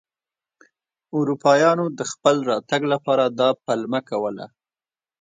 اروپایانو د خپل راتګ لپاره دا پلمه کوله.